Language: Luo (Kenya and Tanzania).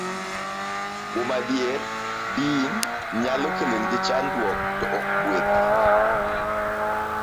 Kuom adier, din nyalo kelonegi chandruok, to ok gweth